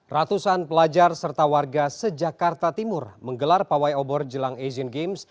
ratusan pelajar serta warga sejakarta timur menggelar pawai obor jelang asian games